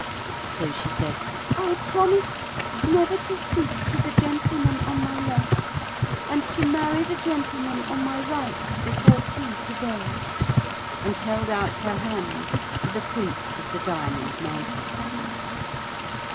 So she said: 'I promise never to speak to the gentleman on my left and to marry the gentleman on my right before tea to day,' and held out her hand to the Prince of the Diamond Mountains.